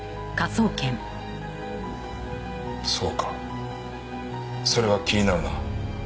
そうかそれは気になるな。